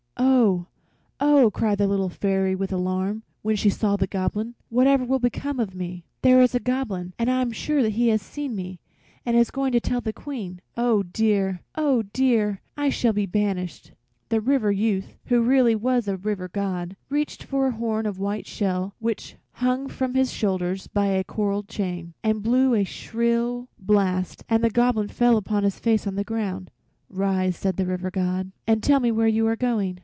"Oh, oh!" cried the Little Fairy, with alarm, when she saw the Goblin, "whatever will become of me? There is a Goblin, and I am sure he has seen me and is going to tell the Queen. Oh dear! Oh dear! I shall be banished." The River Youth, who really was a River God, reached for a horn of white shell which hung from his shoulder by a coral chain, and blew a shrill blast, and the Goblin fell upon his face on the ground. "Rise!" called the River God, "and tell me where you are going?"